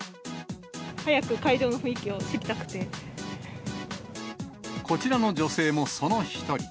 早く会場の雰囲気を知りたくこちらの女性もその１人。